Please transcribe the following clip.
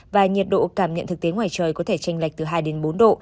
và nhiệt độ cảm nhận thực tế ngoài trời có thể tranh lệch từ hai đến bốn độ